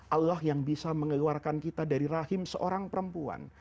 allah yang bisa mengeluarkan kita dari rahim seorang perempuan